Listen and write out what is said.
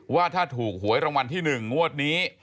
ว่าถ้าถูกหวยรางวัลที่๑งวดนี้